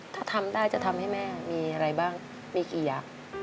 ถ้าทำได้จะทำให้แม่มีอะไรบ้างมีกี่อย่าง